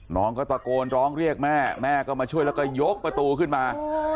น้องก็ตะโกนร้องเรียกแม่แม่ก็มาช่วยแล้วก็ยกประตูขึ้นมา